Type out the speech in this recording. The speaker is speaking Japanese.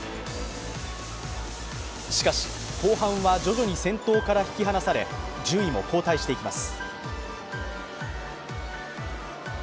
しかし、後半は徐々に先頭から引き離され順位も後退していきます。